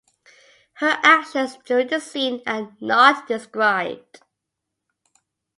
Her actions during the scene are not described.